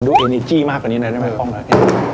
ดูเอเนจี้มากกว่านี้หน่อยได้มั้ยฟ่องหน่อย